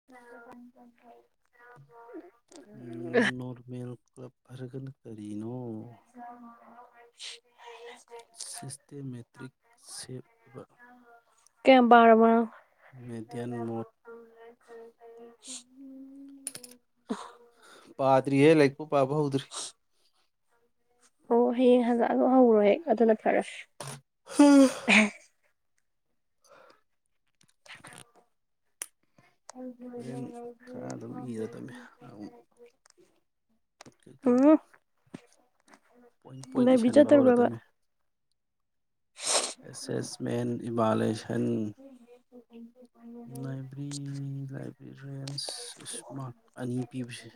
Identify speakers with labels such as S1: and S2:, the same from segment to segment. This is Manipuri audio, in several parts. S1: ꯑ
S2: ꯅꯣꯔꯃꯦꯜ ꯀ꯭ꯂꯞ ꯐꯔꯒꯅ ꯀꯔꯤꯅꯣ
S1: ꯦ
S2: ꯁꯤꯁꯇꯦꯃꯦꯇꯤꯛ ꯁꯦꯞ ꯑꯣꯏꯕ
S1: ꯀꯦꯕꯥꯔ ꯃꯥ
S2: ꯃꯦꯗꯌꯥꯟ ꯃꯣ
S1: ꯎꯝ
S2: ꯄꯥꯗ꯭ꯔꯤꯌꯦꯦ ꯂꯥꯏꯛꯄꯨ ꯄꯥꯕ ꯍꯧꯗ꯭ꯔꯤ
S1: ꯑꯣ ꯍꯌꯦꯡ ꯍꯪꯂꯛꯑ ꯑꯗꯨꯣ ꯍꯧꯔꯣ ꯍꯦꯛ ꯑꯗꯨꯅ ꯐꯔꯁꯤ
S2: ꯍꯝ
S1: ꯍꯥ ꯀ
S2: ꯍꯣꯔꯦꯟ ꯈꯔ ꯑꯗꯨꯝ ꯏꯔꯗꯝꯃꯤ ꯑꯗꯨꯝ ꯀꯩꯗꯧꯕ
S1: ꯎꯝ
S2: ꯄꯣꯏꯟ ꯄꯣꯏꯟ
S1: ꯂꯥꯏꯕ꯭ꯔꯤ
S2: ꯏꯟꯕ
S1: ꯆꯠꯇ꯭ꯔꯕ꯭ꯔꯕ
S2: ꯍꯧꯔꯗꯝꯃꯤ
S1: [inaudible]
S2: ꯑꯦꯁꯦꯁꯃꯦꯟ ꯏꯚꯂꯦꯁꯟꯥꯏꯕ꯭ꯔꯤ ꯂꯥꯏꯐ ꯔꯦꯟꯁ ꯏꯁꯃꯣꯜ ꯑꯅꯤ ꯄꯤꯕꯁꯦ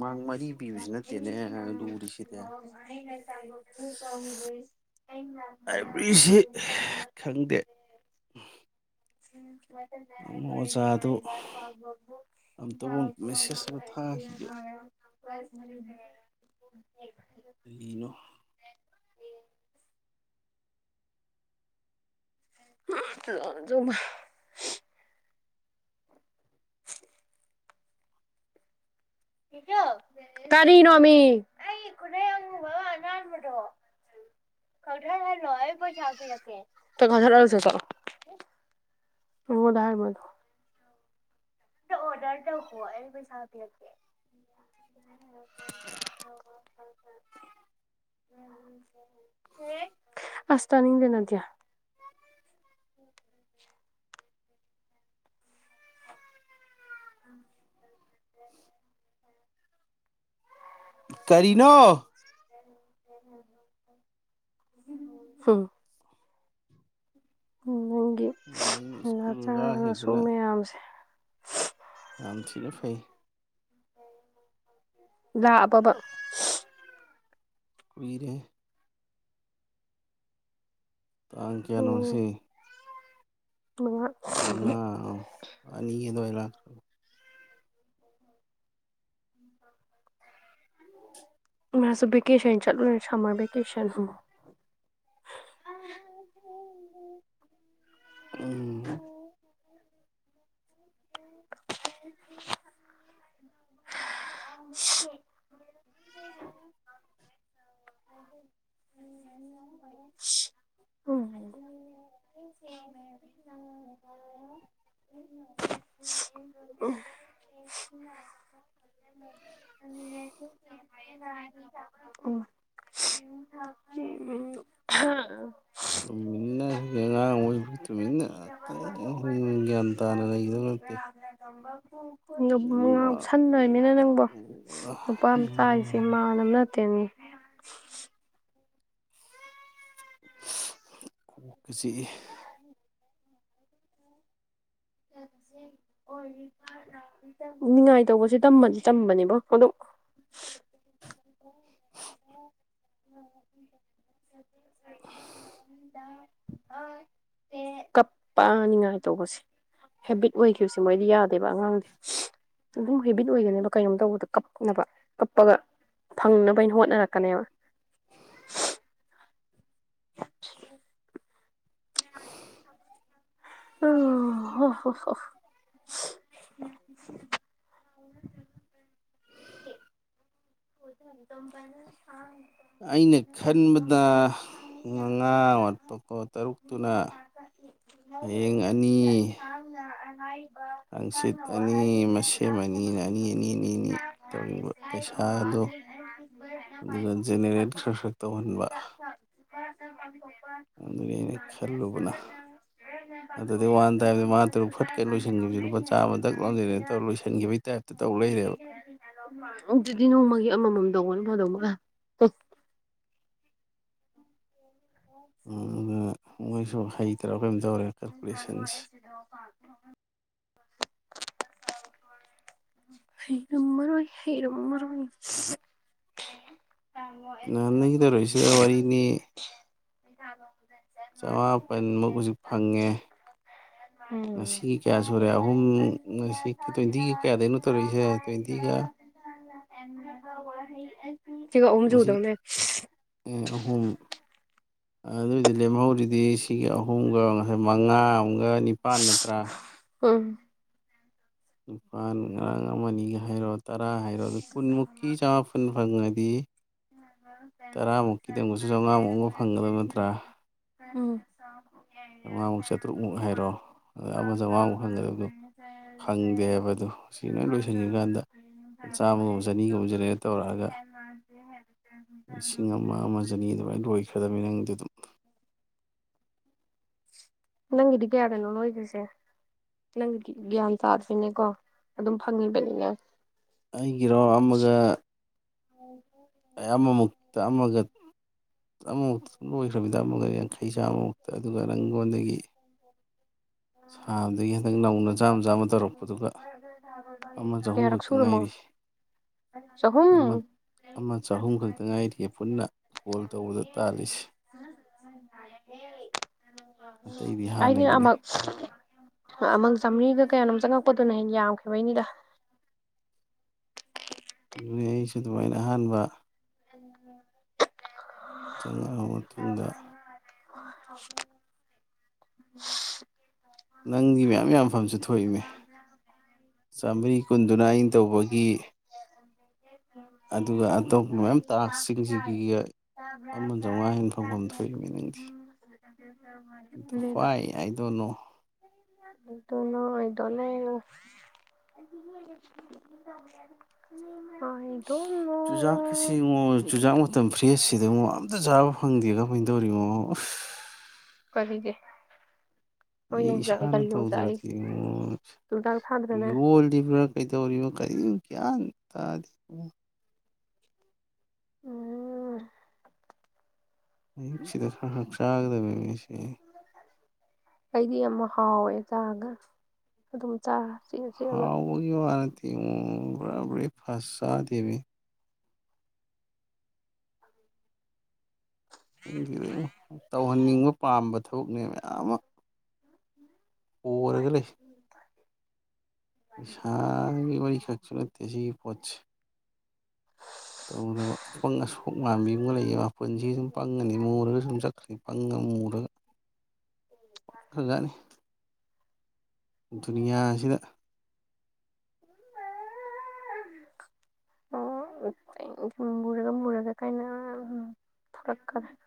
S2: ꯃꯥꯡ ꯃꯔꯤ ꯄꯤꯕꯁꯨ ꯅꯠꯇꯦꯅꯦ ꯂꯨꯔꯤꯁꯤꯗꯤ
S1: ꯆꯥꯏ
S2: ꯂꯥꯏꯕ꯭ꯔꯤꯁꯤ ꯈꯪꯗꯦ ꯑꯃ ꯑꯣꯖꯥꯗꯨ
S1: ꯎꯝ
S2: ꯑꯝꯇꯕꯨ
S1: ꯃ
S2: ꯃꯦꯁꯦꯖ ꯑꯃ ꯊꯥꯈꯤꯒꯦ
S1: ꯌꯥ ꯄ
S2: ꯀꯗꯒꯤꯅꯣ
S1: ꯂꯖ ꯃ [inaudible] ꯀꯔꯤꯅꯣꯃꯤ ꯑꯩ ꯈꯨꯅꯩ ꯑꯉꯕ ꯑꯅꯥꯕꯗꯣ ꯀꯟꯊꯔ ꯂ ꯀ ꯆꯔꯦꯟꯊꯔꯔꯁꯦ ꯑꯣꯗ ꯍꯥꯏꯔꯃ ꯑꯗꯨꯣ ꯝ ꯑꯣꯔꯗꯔ ꯇꯧꯈꯣ ꯑꯩ ꯄꯩꯁꯥ ꯄꯤꯔꯛꯀꯦ ꯑꯁꯇꯅꯤꯗꯅꯗꯌꯥ ꯎꯝ
S2: ꯀꯔꯤꯅꯣ
S1: ꯁ ꯅꯪꯒꯤ
S2: ꯁ꯭ꯀꯨꯜ
S1: ꯅꯆꯥꯅꯁꯨ
S2: ꯀꯥꯈꯤꯕꯗꯨꯅ
S1: ꯃꯌꯥꯝꯁꯦ
S2: ꯑꯝ ꯊꯤꯅ ꯐꯩ
S1: [unintelligible]
S2: ꯀꯨꯏꯔꯦ ꯇꯥꯡ ꯀꯌꯥꯅꯣ ꯉꯥꯁꯤ
S1: ꯎꯝ ꯃꯉꯥ
S2: ꯃꯉꯅꯤꯗꯣꯂ [inaudible]
S1: ꯎꯝ ꯃꯥꯁꯨ ꯚꯦꯀꯦꯁꯟ ꯆꯠꯂꯨꯔꯦ ꯁꯝꯃꯔ ꯚꯦꯀꯦꯁꯟ
S2: ꯎꯝ
S1: [inaudible] ꯎ [inaudible]
S2: ꯑ [inaudible]
S1: ꯎꯝ [inaudible] ꯎꯝ
S2: [inaudible] [inaudible] [inaudible] ꯒ꯭ꯌꯥꯟ ꯇꯥꯅ ꯂꯩꯒꯗꯕ ꯅꯠꯇꯦ
S1: ꯇꯝꯕꯕꯨ ꯉ ꯁꯟꯅꯣꯏꯅꯤꯅ ꯅꯪꯕꯣ ꯅꯨꯄꯥ ꯑꯃ ꯆꯥꯔꯤꯁꯦ ꯃꯥꯟꯅꯕ ꯅꯠꯇꯦꯅꯤ
S2: [inaudible] [inaudible]
S1: [inaudible] ꯅꯤꯉꯥꯏ ꯇꯧꯕꯁꯦ ꯇꯝꯕꯅꯦꯕ ꯀꯗꯣꯛ [unintelligible]
S2: [unintelligible]
S1: ꯀꯞ ꯄꯅꯤꯡꯉꯥꯏ ꯇꯧꯕꯁꯦ [inaudible] ꯍꯦꯕꯤꯠ ꯑꯣꯏꯈꯤꯕꯁꯦ ꯃꯣꯏꯗꯤ ꯌꯥꯗꯦꯕ ꯑꯉꯥꯡꯗꯤ ꯑꯗꯨꯝ ꯍꯦꯕꯤꯠ ꯑꯣꯏꯒꯅꯦꯕ ꯀꯩꯅꯣꯝ ꯇꯧꯕꯗ ꯀꯞꯅꯕ ꯀꯞꯄꯒ ꯐꯪꯅꯕꯩꯅ ꯍꯣꯠꯅꯔꯛꯀꯅꯦꯕ [unintelligible] [inaudible] [inaudible]
S2: ꯑꯩꯅ ꯈꯟꯕꯗ ꯇꯔꯨꯛꯇꯨꯅ ꯍꯌꯦꯡ ꯑꯅꯤ
S1: [inaudible]
S2: ꯍꯪꯆꯤꯠ ꯑꯅꯤ ꯃꯁꯦꯝ ꯑꯅꯤꯅ ꯑꯅꯤ ꯑꯅꯤ ꯑꯅꯤ ꯑꯅꯤ ꯇꯧꯅꯤꯡꯕ ꯄꯩꯁꯥ
S1: [inaudible]
S2: ꯖꯦꯅꯦꯔꯦꯠ ꯈꯔ ꯈꯔ ꯇꯧꯍꯟꯕ
S1: [inaudible] [inaudible]
S2: ꯑꯗꯨꯅꯤ ꯑꯩꯅ ꯈꯜꯂꯨꯕꯅ
S1: [inaudible]
S2: ꯃꯉꯥ ꯇꯔꯨꯛ ꯐꯠꯀꯅ ꯂꯣꯏꯁꯤꯟꯈꯤꯕꯁꯨ ꯂꯨꯄꯥ ꯆꯥꯝꯃ ꯗꯛ ꯂꯁꯤꯜꯅ ꯇꯧ ꯂꯣꯏꯁꯤꯟꯈꯤꯕꯒꯤ ꯇꯥꯏꯞꯇ ꯇꯧ ꯂꯩꯔꯦꯕ
S1: ꯑꯗꯨꯗꯤ ꯅꯣꯡꯃꯒꯤ ꯑꯃꯃꯝ ꯇꯧꯕꯥꯅ ꯐꯥꯗꯧ ꯃꯥꯜꯂꯦ
S2: ꯑ ꯃꯣꯏꯁꯨ ꯍꯩꯇ꯭ꯔꯥ ꯀꯩꯝ ꯇꯧꯔꯦ ꯀꯥꯜꯀꯨꯂꯦꯁꯟꯁ
S1: [inaudible] [inaudible] [inaudible]
S2: ꯅꯍꯥꯟ ꯅꯒꯤꯗꯧꯔꯛꯁꯤꯗ ꯋꯥꯔꯤꯅꯤ
S1: [inaudible]
S2: ꯆꯥꯃꯥꯄꯟꯃꯨꯛ ꯍꯧꯖꯤꯛ ꯐꯪꯉꯦ
S1: ꯎꯝ
S2: ꯉꯁꯤ ꯀꯌꯥ ꯁꯨꯔꯦ ꯑꯍꯨꯝ ꯉꯁꯤ ꯇ꯭ꯋꯦꯟꯇꯤꯒ ꯀꯌꯥꯗꯩꯅꯣ ꯇꯧꯔꯛꯏꯁꯦ ꯇ꯭ꯋꯦꯟꯇꯤꯒ
S1: ꯁꯤꯒ ꯑꯍꯨꯝ ꯁꯨꯗꯣꯢꯅꯦ
S2: ꯑꯦ ꯑꯍꯨꯝ ꯑꯗꯨꯏꯗꯤ ꯂꯦꯝꯍꯧꯔꯤꯗꯤ ꯁꯤꯒ ꯑꯍꯨꯝꯒ ꯉꯁꯥꯏ ꯃꯉꯥ ꯑꯃꯒ ꯅꯤꯄꯥꯥꯟ ꯅꯠꯇ꯭ꯔꯥ
S1: ꯎꯝ
S2: ꯂꯨꯄꯥꯥꯟ ꯉꯔꯥꯡ ꯑꯃꯅꯤꯒ ꯍꯥꯏꯔꯣ ꯇꯔꯥ ꯍꯥꯏꯔꯣ ꯑꯗꯨ ꯀꯨꯟꯃꯨꯛꯀꯤ ꯆꯃ ꯈꯨꯟ ꯐꯪꯉꯗꯤ ꯇꯔꯥꯃꯨꯛꯀꯤꯗꯪꯃꯨꯁꯨ ꯆꯥꯝꯉꯥꯃꯨꯛ ꯑꯃꯨꯛ ꯐꯪꯒꯗꯕ ꯅꯠꯇ꯭ꯔꯥ
S1: ꯎꯝ
S2: ꯆꯥꯝꯃꯉꯥꯃꯨꯛ ꯆꯥꯇ꯭ꯔꯨꯛꯃꯨꯛ ꯍꯥꯏꯔꯣ ꯑꯗ ꯑꯃ ꯆꯥꯝꯃꯉꯥꯃꯨꯛ ꯐꯪꯒꯗꯕꯗꯨ ꯈꯪꯗꯦ ꯍꯥꯏꯕꯗꯨ ꯉꯁꯤ ꯂꯣꯏ ꯂꯣꯏꯁꯤꯟꯈꯤꯕ ꯀꯥꯟꯗ ꯆꯥꯝꯃꯒꯨꯝꯕ ꯆꯅꯤꯒꯨꯝꯕ ꯖꯦꯅꯦꯔꯦꯠ ꯇꯧꯔꯛꯑꯒ
S1: [unintelligible]
S2: ꯂꯤꯁꯤꯡ ꯑꯃ ꯑꯃ ꯆꯅꯤ ꯑꯗꯨꯃꯥꯏꯅ ꯂꯣꯏꯈ꯭ꯔꯗꯕꯅꯤ ꯅꯪ ꯑꯗꯨꯝ
S1: ꯅꯪꯒꯤꯗꯤ ꯀꯌꯥꯗꯅꯣ [unintelligible] ꯅꯪ ꯒ꯭ꯌꯥꯟ ꯇꯥꯗꯔ꯭ꯤꯅꯦꯀꯣ ꯑꯗꯨꯝ ꯐꯪꯉꯤꯕꯅꯤꯅꯦ
S2: ꯑꯩꯒꯤꯔꯣ ꯑꯃꯒ
S1: [unintelligible]
S2: ꯑꯩ ꯑꯃꯃꯨꯛꯇ ꯑꯃꯒ ꯑꯃꯐꯨꯛ ꯁꯨꯝ ꯂꯣꯏꯈ꯭ꯔꯕꯅꯤꯗ ꯑꯃꯨꯒ ꯌꯥꯡꯈꯩ ꯆꯥꯝꯃꯃꯨꯛꯇ ꯑꯗꯨꯒ ꯅꯪꯉꯣꯟꯗꯒꯤ ꯁꯥꯕꯗꯒꯤ ꯍꯟꯇꯛ ꯅꯧꯅ ꯆꯥꯝꯃ ꯆꯥꯝꯃ ꯇꯧꯔꯛꯄꯗꯨꯒ ꯑꯃ ꯆꯍꯨꯝ ꯈꯛꯇ ꯉꯥꯏꯔꯤ ꯑꯃ
S1: [unintelligible]
S2: ꯑꯃ ꯆꯍꯨꯝ ꯈꯛꯇ ꯉꯥꯏꯔꯤꯌꯦ ꯄꯨꯟꯅ ꯀꯣꯜ ꯇꯧꯕꯗ ꯇꯥꯜꯂꯤꯁꯦ ꯑꯇꯩꯗꯤ ꯍꯥꯟꯅꯒꯤꯅꯤ
S1: [unintelligible] ꯑꯃ ꯆꯥꯃꯔꯤꯒ ꯀꯌꯥꯅꯣꯝ ꯆꯪꯉꯛꯄꯗꯨꯅ ꯍꯦ ꯌꯥꯝꯈꯤꯕꯩꯅꯤꯗ
S2: ꯑꯗꯨꯅꯤ ꯑꯩꯁꯨ ꯑꯗꯨꯃꯥꯏꯅ ꯑꯍꯥꯟꯕ
S1: [unintelligible]
S2: ꯆꯪꯉꯛꯑꯕ ꯃꯇꯨꯡꯗ
S1: [unintelligible]
S2: ꯅꯪꯒꯤ ꯃꯌꯥꯝ ꯌꯥꯝꯐꯝꯁꯨ ꯊꯣꯛꯏꯃꯦ ꯆꯥꯝꯃꯔꯤ ꯀꯨꯟꯗꯨꯅ ꯑꯩꯅ ꯇꯧꯕꯒꯤ ꯑꯗꯨꯒ ꯑꯇꯣꯞꯄ ꯃꯌꯥꯝ ꯇꯥꯛꯁꯁꯤꯡꯁꯤꯒꯤꯒ ꯑꯃ ꯆꯥꯝꯃꯉꯥ ꯍꯦꯟꯅ ꯐꯪꯐꯝ
S1: [unintelligible]
S2: ꯊꯣꯛꯏꯃꯤ ꯅꯪꯗꯤ ꯍ꯭ꯋꯥꯏ ꯑꯥꯏ ꯗꯣꯟ ꯅꯣ
S1: [unintelligible] [unintelligible] [unintelligible]
S2: ꯁꯤ ꯑꯃꯣ ꯆꯨꯖꯥꯛ ꯃꯇꯝ ꯐ꯭ꯔꯦꯁꯁꯤꯗ ꯑꯃꯨꯛ ꯑꯝꯇ ꯆꯥꯕ ꯐꯪꯗꯦ ꯀꯃꯥꯏꯅ ꯇꯧꯔꯤꯅꯣ
S1: [unintelligible]
S2: ꯑꯩ ꯏꯁꯥꯅ
S1: ꯀꯔꯤ ꯌꯣꯡꯆꯥꯛ ꯑꯩ
S2: ꯇꯧꯗ꯭ꯔꯗꯤ
S1: ꯆꯨꯗꯥꯛ ꯊꯥꯗ꯭ꯔꯅꯦ
S2: ꯌꯣꯜꯂꯤꯕ꯭ꯔꯥ [unintelligible]
S1: ꯑꯣ
S2: ꯑꯌꯨꯛꯁꯤꯗ ꯈꯔ ꯈꯔ ꯆꯥꯒꯗꯕ ꯃꯤꯁꯦ
S1: ꯑꯩꯗꯤ ꯑꯃ ꯍꯥꯎꯋꯦ ꯆꯥꯒ ꯑꯗꯨꯝ ꯆꯥ ꯆꯦꯛꯑ ꯆꯦꯛꯑꯒ
S2: [unintelligible] ꯅꯪꯗꯤ ꯇꯧꯍꯟꯅꯤꯡꯕ ꯄꯥꯝꯕ ꯊꯕꯛꯅꯦ ꯃꯌꯥꯝ ꯑꯃ [unintelligible] [unintelligible] ꯇꯧꯗꯕ ꯑꯄꯪ ꯑꯁꯣꯛ ꯃꯥꯟꯕꯤꯒ ꯂꯩꯌꯦꯕ ꯃꯄꯨꯟꯁꯤ ꯁꯨꯝ ꯄꯪꯉꯅꯤ ꯃꯨꯔꯒ ꯁꯨꯝ ꯆ [unintelligible] ꯗꯨꯅꯤꯌꯥ ꯑꯁꯤꯗ
S1: [unintelligible] [unintelligible]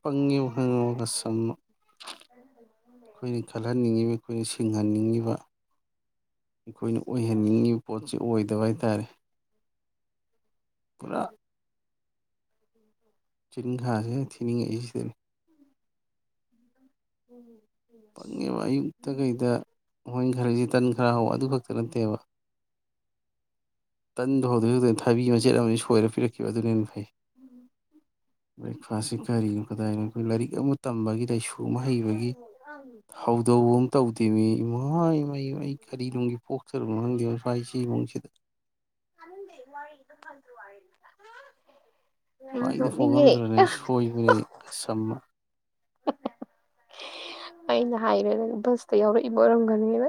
S2: ꯄꯪꯉꯤꯍꯪꯉꯒ ꯁꯝ ꯑꯩꯈꯣꯏꯅ ꯆꯠꯍꯟꯅꯤꯡꯉꯤꯕ ꯑꯩꯈꯣꯏꯅ ꯁꯤꯡꯍꯟꯅꯤꯡꯉꯤꯕ ꯑꯩꯈꯣꯏꯅ ꯑꯣꯏꯍꯟꯅꯤꯡꯉꯤꯕ ꯄꯣꯠꯁꯤ ꯑꯣꯏꯗꯕ ꯍꯥꯏꯇꯥꯔꯦ ꯄꯨꯔ ꯆꯤꯤꯡꯈꯥꯁꯦ ꯊꯤꯅꯤꯡꯉꯛꯏꯁꯤꯗ
S1: ꯎꯝ ꯎꯝꯨꯝ
S2: ꯄꯪꯉꯦꯕ ꯑꯌꯨꯛꯇ ꯀꯩꯗ ꯃꯣꯏ ꯈꯔꯁꯤꯦ ꯇꯟ ꯈꯔ ꯍ ꯑꯗꯨ ꯈꯛꯇ ꯅꯠꯇꯦꯕ ꯇꯟꯗꯨ ꯍꯧꯧꯗꯣꯛ ꯍꯧꯧꯗꯅ ꯊꯥꯕꯤ ꯃꯆꯦꯠ ꯑꯃ ꯁꯣꯏꯔ ꯄꯤꯔꯛꯈꯤꯕ ꯑꯗꯨꯅꯦꯦꯟꯅ ꯐꯩ ꯕ꯭ꯔꯦꯛꯐꯥꯁꯁꯤ ꯀꯔꯤꯅꯣ ꯀꯗꯥꯏꯅꯣ ꯑꯩꯈꯣꯏ ꯂꯥꯏꯔꯤꯛ ꯑꯃ ꯇꯝꯕꯒꯤ ꯂꯥꯏꯁꯨ ꯑꯃ ꯍꯩꯕꯒꯤ
S1: [unintelligible]
S2: ꯍꯧꯗꯧꯕ ꯑꯃ ꯇꯧꯗꯦꯃꯤ ꯏꯃꯥ ꯑꯩ ꯀꯔꯤꯗꯅꯨꯡꯒꯤ ꯄꯣꯛ [unintelligible]
S1: [unintelligible] ꯑꯩ ꯅꯣꯛꯅꯤꯡꯉꯦ
S2: [unintelligible]
S1: ꯑꯩꯅ ꯍꯥꯏꯔꯦꯗ ꯕꯁꯇ ꯌꯥꯎꯔꯛꯏꯕ ꯑꯣꯏꯔꯝꯒꯅꯤꯅ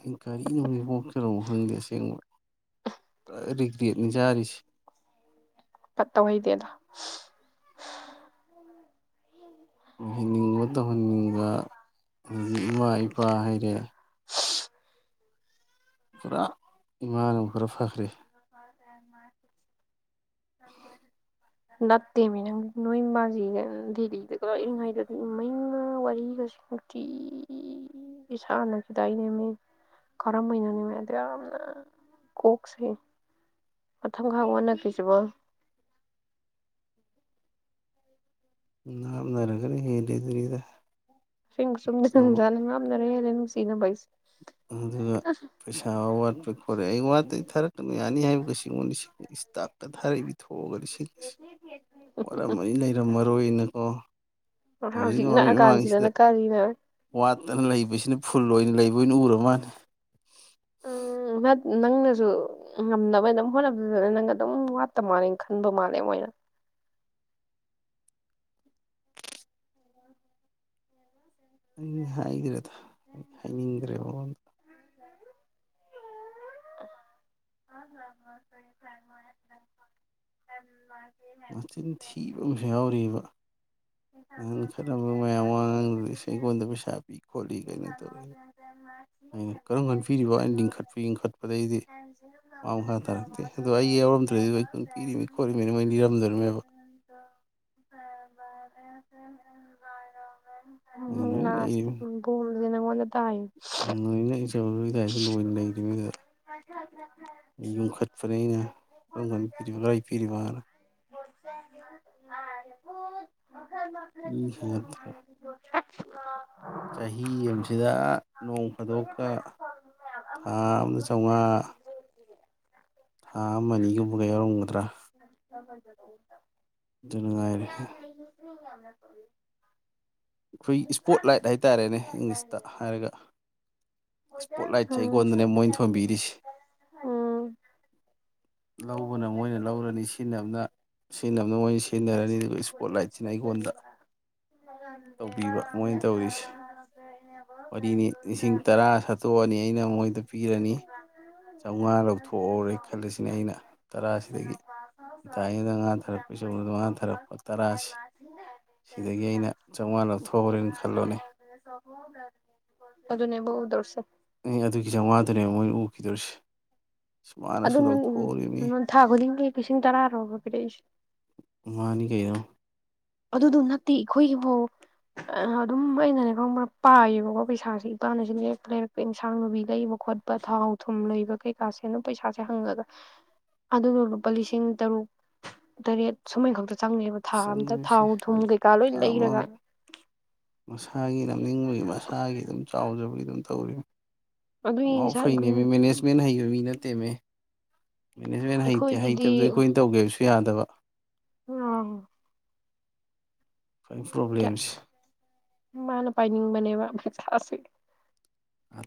S2: ꯑ ꯀꯒꯥꯔꯤꯅꯣꯖꯤꯐꯥꯎ ꯀꯅꯣ ꯈꯪꯗꯦ ꯑꯁꯦꯡꯕ ꯄꯨꯔꯥ ꯔꯤꯒ꯭ꯔꯦꯠꯅꯤ ꯆꯥꯔꯤꯁꯦ
S1: ꯇꯧꯍꯩꯗꯦꯗ
S2: ꯑꯣꯏꯍꯟꯅꯤꯡꯕ ꯇꯧꯍꯟꯅꯤꯡꯕ ꯑꯗꯤ ꯏꯃꯥ ꯏꯄꯥ ꯍꯥꯏꯔꯦ
S1: [unintelligible]
S2: ꯄꯨꯔꯥ ꯏꯃꯥꯟꯅ ꯈꯔꯥ ꯐꯈ꯭ꯦ
S1: [unintelligible] ꯅꯠꯇꯦꯅꯦ ꯅꯪ ꯅꯣꯏ ꯏꯃꯁꯤꯒ ꯗꯦꯜꯂꯤꯗꯒ ꯂꯥꯛꯔꯤꯉꯩꯗꯗꯤ ꯏꯃꯩꯅ ꯋꯥꯔꯤꯒꯁꯦ ꯅꯨꯡꯇꯤ ꯁꯥꯟꯅꯈꯤꯗꯥꯏꯅꯦꯃꯤ ꯀꯔꯝꯕꯩꯅꯅꯤ ꯃ ꯑꯗꯨ ꯌꯥꯝꯝꯅ ꯀꯣꯛꯁꯦ ꯃꯊꯪꯈꯥꯛ ꯑꯣꯟꯅ꯭ꯣꯏꯁꯤꯕꯣ
S2: ꯝꯅꯔꯒ ꯍꯗꯤꯗꯔꯤꯗ
S1: ꯁꯁꯤꯡ ꯁꯪꯖꯝꯅꯔꯦꯅꯨꯡ ꯁꯤꯅ ꯩ
S2: ꯑꯗꯨꯒ ꯄꯩꯁꯥ ꯋꯥꯠꯄꯩ ꯈꯔꯦ ꯑꯩ ꯋꯥꯠꯩ ꯊꯥꯔꯛꯇꯅ ꯌꯥꯅꯤ ꯍꯥꯏꯕꯒ ꯁꯤꯉꯣꯟꯗ ꯏꯁꯇꯥꯛꯀ ꯊꯥꯔꯛꯏ ꯊꯣꯛꯑꯒꯗꯤꯁꯤꯡ ꯋꯥꯔꯝ ꯑꯅꯤ ꯂꯩꯔꯝꯃꯔꯣꯏꯅ
S1: ꯍꯧꯖꯤꯛ
S2: ꯃꯃꯥꯡꯁꯤꯗ
S1: ꯅꯛꯑꯀꯥꯟꯁꯤꯗꯅ ꯀꯔꯤꯅꯣ
S2: ꯋꯥꯠꯇꯅ ꯂꯩꯕꯁꯤꯅ ꯐꯨꯜ ꯑꯣꯏꯅ ꯂꯩꯕ ꯑꯣꯏꯅ ꯎꯔ ꯃꯥꯜꯂꯜꯂꯤ
S1: ꯎꯝ ꯅꯪꯅꯁꯨ ꯉꯝꯅꯕ ꯑꯗꯨꯝ ꯍꯣꯠꯅꯕꯗꯨꯗꯅ ꯅꯪꯒ ꯑꯗꯨꯝ ꯋꯥꯠꯇ ꯃꯥꯜꯂꯦ ꯈꯟꯕ ꯃꯥꯜꯂꯦ ꯃꯣꯏꯅ
S2: ꯑꯩ ꯍꯥꯏꯈ꯭ꯔꯦꯗ ꯍꯥꯏꯅꯤꯡꯗ꯭ꯔꯦ ꯃꯉꯣꯟꯗ ꯃꯆꯤꯟ ꯊꯤꯕ ꯑꯃꯁꯨ ꯌꯥꯎꯑꯔꯤꯕ ꯅꯪ ꯈꯔ ꯃꯌꯥꯝ ꯋꯥꯉꯥꯡ ꯑꯩꯉꯣꯟꯗ ꯄꯩꯁꯥ ꯄꯤ ꯈꯣꯠꯂꯤ ꯀꯩꯅꯣ ꯇꯧꯔꯤ ꯑꯩꯅ ꯀꯔꯝ ꯈꯟꯕꯤꯔꯤꯕ ꯑꯩꯅ ꯂꯤꯡꯈꯠꯄ ꯂꯤꯡꯈꯠꯄꯗꯒꯤꯩꯗꯤ ꯃꯥ ꯃꯈ ꯃꯈꯥ ꯇꯥꯔꯛꯇꯦ ꯑꯗꯣ ꯑꯩ ꯌꯥꯎꯝ꯭ꯔꯗꯤ ꯃ ꯑꯩ ꯀꯨꯟ ꯄꯤꯔꯤꯅꯤ ꯈꯣꯠꯂꯤꯃꯤꯅꯤ ꯃꯣꯏ ꯂꯤꯔꯝꯗꯣꯔꯤꯃꯦꯕ
S1: ꯁ ꯎꯝꯒ
S2: ꯑ ꯆ ꯀꯌꯥꯁꯤꯥꯏꯅꯤ ꯌꯨꯝꯈꯠꯄꯅꯩꯅ ꯔꯝꯒꯟ ꯄꯤꯔꯤꯕ ꯂꯥꯏ ꯄꯔꯤꯕ
S1: ꯃꯈ
S2: ꯃꯤ ꯈꯪꯒꯠꯇꯅ
S1: ꯃꯈ [unintelligible]
S2: ꯆꯍꯤ ꯑꯃꯁꯤꯗ ꯅꯣꯡ ꯐꯥꯗꯣꯛꯀ ꯊꯥ ꯑꯃꯗ ꯆꯥꯝꯃꯉꯥ ꯑꯥ ꯑꯃ ꯑꯅꯤꯒꯨꯝꯕꯒ ꯌꯥꯎꯔꯝꯒꯗ꯭ꯔꯥ ꯑꯗꯨ ꯅꯨꯡꯉꯥꯏꯔꯦ
S1: ꯔꯅ ꯌꯦ ꯌꯥꯝꯅ ꯊ
S2: ꯑꯩꯈꯣꯏ ꯏꯁꯄꯣꯠ ꯂꯥꯏꯠ ꯍꯥꯏꯇꯥꯔꯦꯅꯦ ꯏꯪꯂꯤꯁꯇ ꯍꯥꯏꯔꯒ ꯏꯁꯄꯣꯠꯂꯥꯏꯠꯁꯦ
S1: ꯎꯝ
S2: ꯑꯩꯉꯣꯟꯗꯅꯦ ꯃꯣꯏ ꯊꯣꯟꯕꯤꯔꯤꯁ
S1: ꯎꯝ
S2: ꯂꯧꯕꯅ ꯃꯣꯏꯅ ꯂꯧꯔꯅꯤ ꯁꯤꯖꯤꯟꯅꯕꯅ ꯁꯤꯖꯤꯟꯅꯕꯅ ꯃꯣꯏꯅ ꯁꯤ ꯈꯦꯟꯅꯔꯅꯤ ꯑꯗꯨꯒ ꯏꯁꯄꯣꯠ ꯂꯥꯏꯠꯁꯤꯅ ꯑꯩꯉꯣꯟꯗ ꯇꯧꯕꯤꯕ ꯃꯣꯏꯅ ꯇꯧꯔꯤꯁꯦ ꯃꯔꯤꯅꯤ ꯂꯤꯁꯤꯡ ꯇꯔꯥ ꯁꯥꯠꯇꯣꯛꯑꯅꯤ ꯑꯩꯅ ꯃꯣꯏꯗ ꯄꯤꯔꯅꯤ ꯆꯥꯝꯃꯉꯥ ꯂꯧꯊꯣꯛꯎꯎꯔꯦ ꯈꯜꯂꯁꯤꯅꯦ ꯑꯩꯅ ꯇꯔꯥꯁꯤꯗꯒꯤ ꯏꯇꯥꯏꯅꯤꯗ ꯉꯥꯛꯄ ꯆꯗꯣꯥꯔꯛꯄ ꯂꯣ ꯇꯔꯥꯁꯤ ꯁꯤꯗꯒꯤ ꯑꯩꯅ ꯆꯥꯝꯃꯉꯥ ꯂꯧꯊꯣꯛꯎꯔꯦꯅ ꯈꯜꯂꯣꯅꯦ
S1: ꯑꯗꯨ ꯑꯗꯨꯅꯦ ꯣꯗꯧꯔꯁꯦ
S2: ꯑꯩ ꯑꯗꯨꯒꯤ ꯆꯥꯝꯃꯉꯥꯗꯨꯅꯦ ꯃꯣꯏ ꯎꯈꯤꯗꯣꯔꯤꯁꯦ ꯁꯨꯃꯅꯁꯨ
S1: ꯑꯗꯨꯅ
S2: ꯂꯧꯊꯣꯛꯎꯔꯤ ꯃꯤ
S1: ꯎꯝ ꯊꯥ ꯈꯨꯗꯤꯡꯒꯤ ꯂꯤꯁꯤꯡ ꯇꯔꯥꯔꯣꯕ ꯄꯤꯔꯛꯏꯁꯦ
S2: ꯃꯃꯥꯅꯤ ꯀꯩꯅꯣ
S1: ꯑꯗꯨꯗꯨ ꯅꯠꯇꯦ ꯑꯩꯈꯣꯏꯒꯤꯐꯥꯎ ꯑꯗꯨꯝ ꯑꯩꯅꯅꯦ ꯈꯪꯕ ꯄꯥꯏꯌꯦꯕꯀꯣ ꯄꯩꯁꯥꯁꯦ ꯏꯄꯥꯅꯁꯨ ꯂꯩꯔꯛꯄ ꯂꯩꯔꯛꯄ ꯏꯟꯁꯥꯡ ꯅꯨꯕꯤ ꯂꯩꯕ ꯈꯣꯠꯄ ꯄꯊꯥꯎ ꯊꯨꯝ ꯂꯩꯕ ꯀꯩꯀꯥꯁꯦꯅ ꯄꯩꯁꯥꯁꯦ ꯍꯪꯉꯒ ꯑꯗꯨꯗꯣ ꯂꯨꯄꯥ ꯂꯤꯁꯤꯡ ꯇꯔꯨꯛ ꯇꯔꯦꯠ ꯁꯨꯃꯥꯏ ꯈꯛꯇ ꯆꯪꯉꯦꯕꯣ ꯊꯥ
S2: ꯑꯁ
S1: ꯑꯝꯇ
S2: ꯆꯪꯗꯣꯔꯤꯁꯦ
S1: ꯊꯥꯎ ꯊꯨꯝ
S2: ꯑꯗꯨ
S1: ꯀꯩꯀꯥ ꯂꯣꯏ
S2: ꯑꯃ
S1: ꯂꯩꯔꯒ
S2: ꯃꯁꯥꯒꯤ ꯅꯝꯅꯤꯡꯕꯒꯤ ꯃꯁꯥꯒꯤ ꯑꯗꯨꯝ ꯆꯥꯎꯖꯕꯒꯤ ꯑꯗꯨꯝ ꯇꯧꯔꯤ
S1: ꯑꯗꯨꯒꯤ
S2: ꯅꯣ
S1: ꯉꯁꯥꯏ
S2: ꯐꯩꯅꯦ
S1: ꯑꯩꯈꯣꯏ
S2: ꯃꯦꯅꯦꯖ ꯃꯦꯟ ꯍꯩꯕ ꯃꯤ ꯅꯠꯇꯦꯃꯦ ꯃꯦꯅꯦꯖꯃꯦꯟ ꯍꯩꯇꯦ
S1: ꯑꯩꯈꯣꯏꯒꯤꯗꯤ
S2: ꯍꯩꯇꯕꯗꯣ ꯑꯩꯈꯣꯏꯅ ꯇꯧꯒꯦꯕꯁꯨ ꯌꯥꯗꯕ
S1: ꯑꯣ
S2: ꯈ꯭ꯋꯥꯏ ꯄ꯭ꯔꯣꯕ꯭ꯂꯦꯝꯁꯦ
S1: ꯃꯥꯅ ꯄꯥꯏꯅꯤꯡꯕꯅꯦꯕꯊꯥꯁꯦ